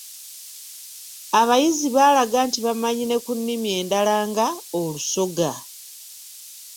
Abayizi baalaga nti bamanyi ne ku nnimi endala nga Olusoga.